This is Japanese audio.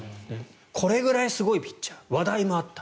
これぐらいすごいピッチャー話題もあった。